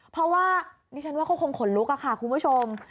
เพราะว่าดิฉันว่าเขาคงขนลุกอะค่ะคุณผู้ชม